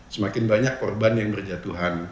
semakin banyak korban yang berjatuhan